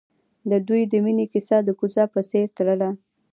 د دوی د مینې کیسه د کوڅه په څېر تلله.